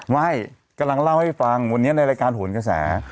ไม่กำลังเล่าให้ฟังวันนี้ในรายการโหนกระแส